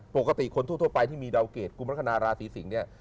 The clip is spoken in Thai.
ปกติคนทั่วไปที่มีดาวเกรดกุมลักษณะราศีสิงศ์เนี่ย